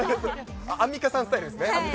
アンミカさんスタイルですね。